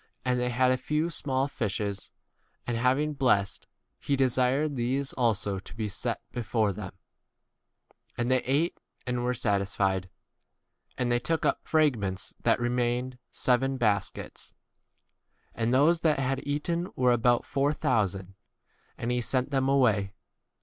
And they had a few small fishes, and having blessed, he desired these 8 also to be set before [them]. And they ate and were satisfied. And they took up of fragments that 9 remained seven baskets. And those that had eaten were about four thousand, and he sent them away.